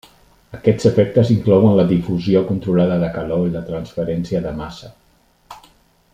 Aquests efectes inclouen la difusió controlada de calor i la transferència de massa.